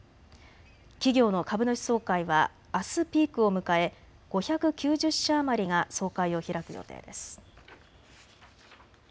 企業の株主総会はあすピークを迎え、５９０社余りが総会を開く予定です。